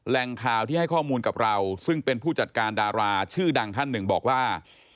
แหล่งข่าวที่ให้ข้อมูลกับเราซึ่งเป็นผู้จัดการดาราชื่อดังท่านหนึ่งบอกว่า